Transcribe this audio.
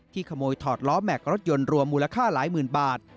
ขโมยถอดล้อแม็กซรถยนต์รวมมูลค่าหลายหมื่นบาท